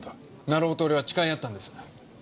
成尾と俺は誓い合ったんです。